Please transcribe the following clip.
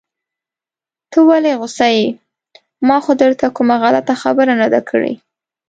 ته ولې غوسه يې؟ ما خو درته کومه غلطه خبره نده کړي.